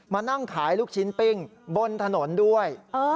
มานั่งขายลูกชิ้นปิ้งบนถนนด้วย